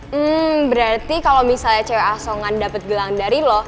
hmm berarti kalau misalnya cewek asongan dapat gelang dari loh